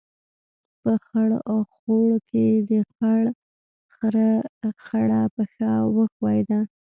په خړ خوړ کې، د خړ خرهٔ خړه پښه وښیوده.